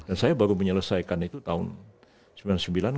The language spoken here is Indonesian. dan saya baru menyelesaikan itu tahun seribu sembilan ratus sembilan puluh sembilan